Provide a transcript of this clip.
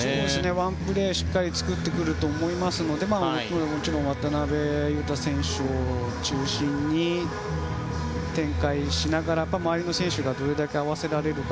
ワンプレー、しっかり作ってくると思いますのでもちろん渡邊雄太選手を中心に展開しながら周りの選手がどれだけ合わせられるか。